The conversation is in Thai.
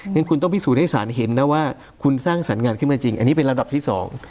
งั้นคุณต้องพิสูจน์ให้สารเห็นนะว่าคุณสร้างสรรค์งานขึ้นมาจริงอันนี้เป็นลำดับที่สอง